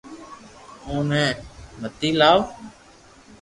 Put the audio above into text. او ني متي لاو